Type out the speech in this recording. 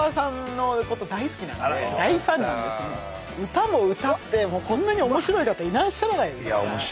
歌も歌ってこんなに面白い方いらっしゃらないですから。